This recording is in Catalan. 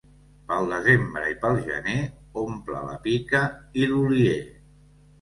Pel desembre i pel gener, omple la pica i l'olier.